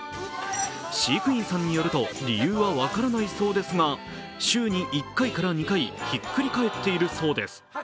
飼育員さんによると、理由は分からないそうですが週に１回から２回、ひっくり返っているそうです。